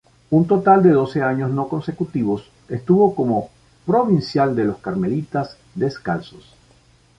Un total de doce años no consecutivos estuvo como Provincial de los Carmelitas Descalzos.